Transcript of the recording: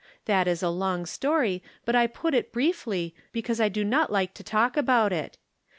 That is a long story, but I put it briefly, because I do not like to talk about it.